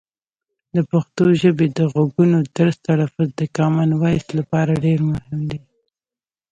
د پښتو ژبې د غږونو درست تلفظ د کامن وایس لپاره ډېر مهم دی.